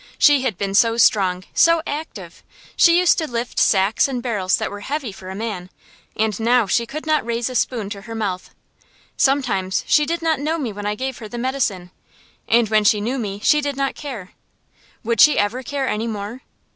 She had been so strong, so active. She used to lift sacks and barrels that were heavy for a man, and now she could not raise a spoon to her mouth. Sometimes she did not know me when I gave her the medicine, and when she knew me, she did not care. Would she ever care any more?